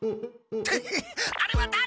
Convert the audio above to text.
あれはだれ？